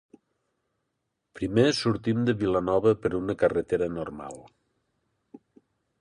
Primer sortim de Vilanova per una carretera normal.